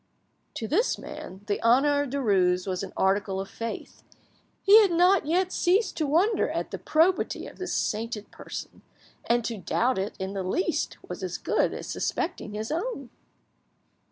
To this man, the honour of Derues was an article of faith; he had not yet ceased to wonder at the probity of this sainted person, and to doubt it in the least was as good as suspecting his own.